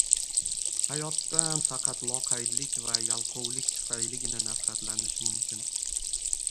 Hayotdan faqat loqaydlik va yalqovlik tufayligina nafratlanish mumkin.